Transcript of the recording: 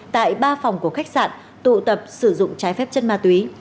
tại ba phòng của khách sạn tụ tập sử dụng trái phép chất ma túy